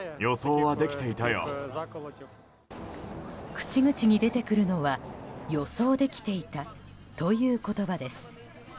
口々に出てくるのは予想できていたという言葉です。